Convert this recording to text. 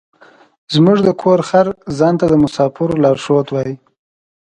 زموږ د کور خر ځان ته د مسافرو لارښود وايي.